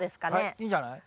いいんじゃない。